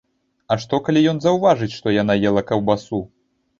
А што, калі ён заўважыць, што яна ела каўбасу?